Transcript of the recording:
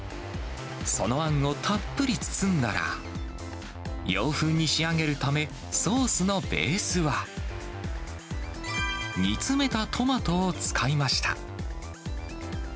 そのあんをたっぷり包んだら、洋風に仕上げるため、ソースのベースは、煮詰めたトマトを使いました。